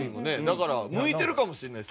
だから向いてるかもしれない。